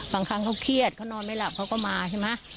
บางครั้งเขาเครียดเขานอนไม่หลับเขาก็มาใช่ไหม